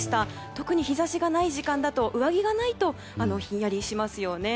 特に日差しがない時間だと上着がないとひんやりしますよね。